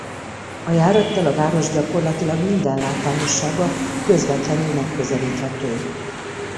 A járattal a város gyakorlatilag minden látványossága közvetlenül megközelíthető.